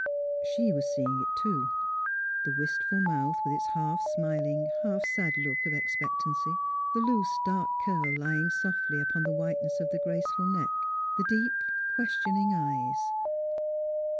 She was seeing it, too — the wistful mouth, with 250 THE HEART OF PHHLURA its lialf smiling, half sad look of expectancy; the loose dark curl, lying softly upon the whiteness of the graceful neck ; the deep, questioning eyes.